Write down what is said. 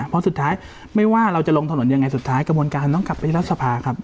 เพราะสุดท้ายไม่ว่าเราจะลงถนนยังไงสุดท้ายกระบวนการต้องกลับไปที่รัฐสภาครับ